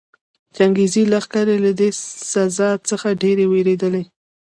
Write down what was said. چنګېزي لښکرې له دې سزا څخه ډېرې ووېرېدلې.